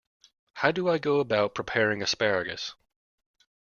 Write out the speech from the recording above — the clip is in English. How do I go about preparing asparagus?